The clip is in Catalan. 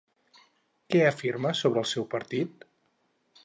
Què afirma sobre el seu partit?